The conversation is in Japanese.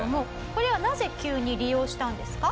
これはなぜ急に利用したんですか？